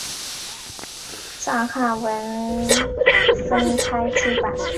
藏汉文分开出版。